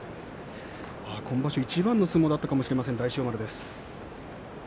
今場所いちばんの相撲だったかもしれません大翔丸です。